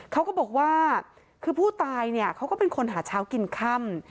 เขาก็บอกว่าคือผู้ตายเนี่ยเขาก็เป็นคนหาเช้ากินค่ำ